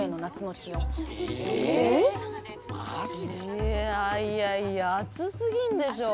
いやいやいや暑すぎんでしょ。